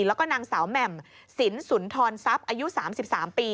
แล้วก็นางสาวแหม่มสินสุนทรทรัพย์อายุ๓๓ปี